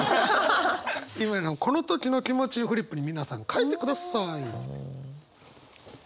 今のこの時の気持ちフリップに皆さん書いてください。